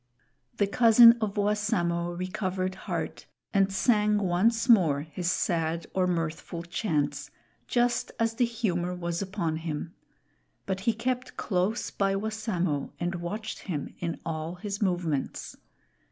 The cousin of Wassamo recovered heart and sang once more his sad or mirthful chants, just as the humor was upon him; but he kept close by Wassamo and watched him in all his movements.